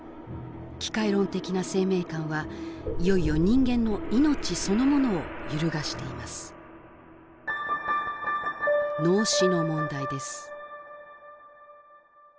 機械論的な生命観はいよいよ人間の命そのものを揺るがしています「脳死」の問題です